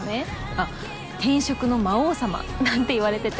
あっ転職の魔王様なんていわれてて。